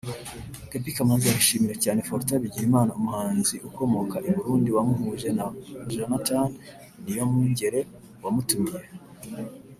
Gaby Kamanzi arashimira cyane Fortran Bigirimana umuhanzi ukomoka i Burundi wamuhuje na Jonathan Niyomwungere wamutumiye